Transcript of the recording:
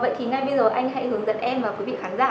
vậy thì ngay bây giờ anh hãy hướng dẫn em và quý vị khán giả